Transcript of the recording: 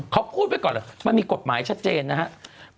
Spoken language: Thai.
เขาพูดไว้ก่อนเหรอมันมีกฎหมายชัดเจนนะครับ